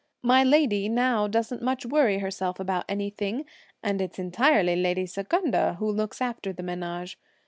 My lady now doesn't much worry herself about anything; and it's entirely lady Secunda who looks after the menage.